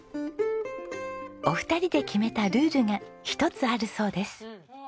お二人で決めたルールが１つあるそうです。